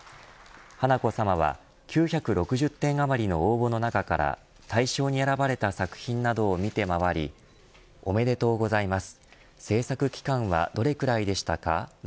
華子さまは９６０点余りの応募の中から大賞に選ばれた作品などを見て回りおめでとうございます。